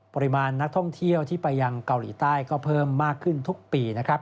ปริมาณนักท่องเที่ยวที่ไปยังเกาหลีใต้ก็เพิ่มมากขึ้นทุกปีนะครับ